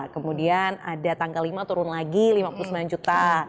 kemudian ada tanggal lima turun lagi lima puluh sembilan juta